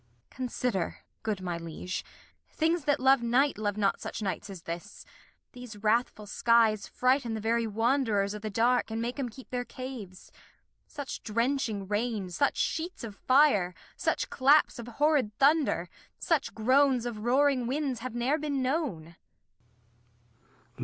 Consider, good my Liege, Things that love Night, Love not such Nights as this ; these wrathf ull Skies Frighten the very Wanderers o' th' Dark, And make 'em keep their Caves ; such drenching Rain, Such Sheets of Fire, such Claps of horrid Thunder, Such Groans of roaring Winds have ne're been known.